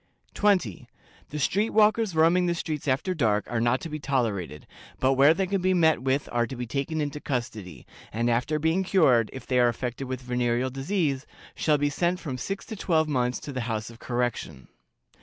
"20. The street walkers roaming the streets after dark are not to be tolerated, but where they can be met with are to be taken into custody, and after being cured, if they are affected with venereal disease, shall be sent from six to twelve months to the House of Correction.